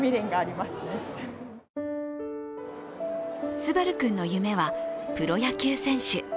昴君の夢はプロ野球選手。